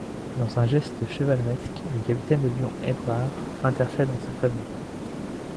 Dans un geste chevaleresque, le capitaine de Lyon, Ébrard, intercède en sa faveur.